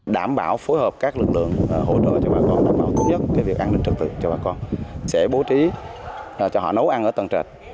đảm bảo phối hợp các lực lượng hỗ trợ cho bà con đảm bảo cốt nhất cái việc an ninh trật tự cho bà con